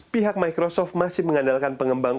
pihak microsoft masih mengandalkan pengembang